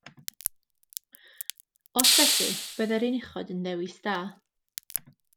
Os felly, byddai'r un uchod yn dewis da.